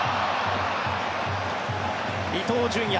伊東純也